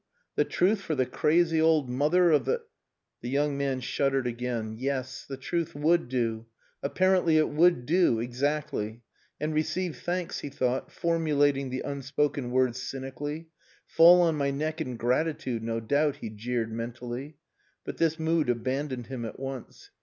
The truth for the crazy old mother of the " The young man shuddered again. Yes. The truth would do! Apparently it would do. Exactly. And receive thanks, he thought, formulating the unspoken words cynically. "Fall on my neck in gratitude, no doubt," he jeered mentally. But this mood abandoned him at once.